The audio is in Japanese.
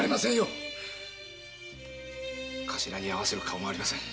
カシラに合わせる顔もありません。